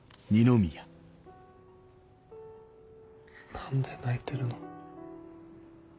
何で泣いてるの？